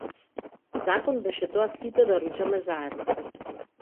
Закон беше тоа сите да ручаме заедно.